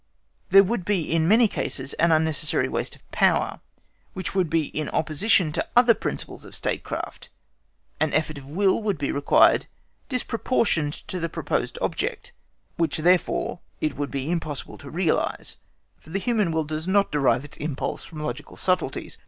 There would be in many cases an unnecessary waste of power, which would be in opposition to other principles of statecraft; an effort of Will would be required disproportioned to the proposed object, which therefore it would be impossible to realise, for the human will does not derive its impulse from logical subtleties.